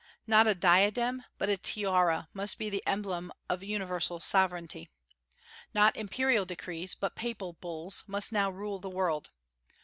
Not a diadem, but a tiara, must be the emblem of universal sovereignty. Not imperial decrees, but papal bulls, must now rule the world.